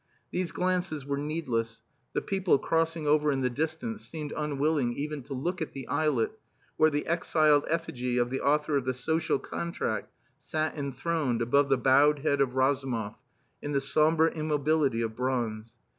These glances were needless; the people crossing over in the distance seemed unwilling even to look at the islet where the exiled effigy of the author of the Social Contract sat enthroned above the bowed head of Razumov in the sombre immobility of bronze.